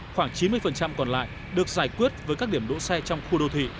khoảng chín mươi còn lại được giải quyết với các điểm đỗ xe trong khu đô thị